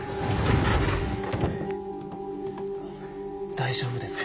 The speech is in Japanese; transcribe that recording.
大丈夫ですか？